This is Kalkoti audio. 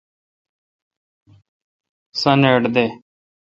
سانیٹ دے۔